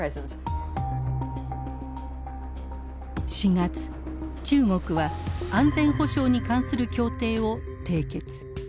４月中国は安全保障に関する協定を締結。